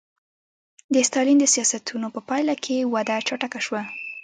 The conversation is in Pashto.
د ستالین د سیاستونو په پایله کې وده چټکه شوه